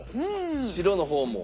白の方も。